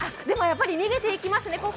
でもやっぱり逃げていきますね。